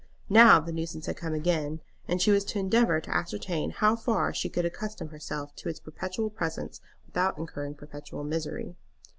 Now the nuisance had come again, and she was to endeavor to ascertain how far she could accustom herself to its perpetual presence without incurring perpetual misery.